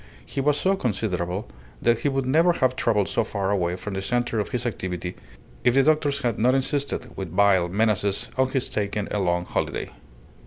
He was so considerable that he would never have travelled so far away from the centre of his activity if the doctors had not insisted, with veiled menaces, on his taking a long holiday.